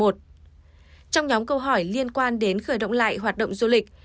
trong nhóm câu hỏi liên quan đến khởi động lại hoạt động du lịch